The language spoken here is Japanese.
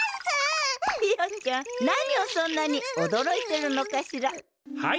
ひよちゃん何をそんなにおどろいてるのかしらはい。